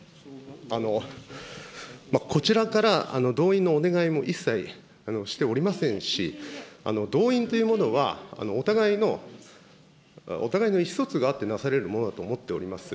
こちらから動員のお願いも一切しておりませんし、動員というものは、お互いの意思疎通があってなされるものだと思っております。